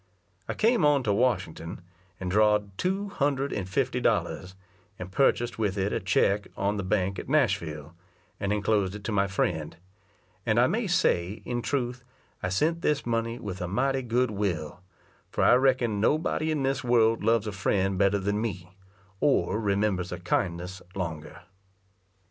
I came on to Washington, and draw'd two hundred and fifty dollars, and purchased with it a check on the bank at Nashville, and enclosed it to my friend; and I may say, in truth, I sent this money with a mighty good will, for I reckon nobody in this world loves a friend better than me, or remembers a kindness longer.